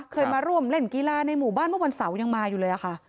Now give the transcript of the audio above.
เคยมาร่วมเล่นกีฬาในหมู่บ้านเมื่อวันเสาร์ยังมาอยู่เลยค่ะ